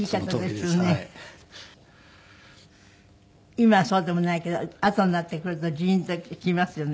今はそうでもないけどあとになってくるとジーンときますよね。